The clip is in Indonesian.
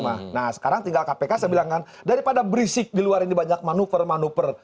nah sekarang tinggal kpk saya bilang kan daripada berisik di luar ini banyak manuver manuver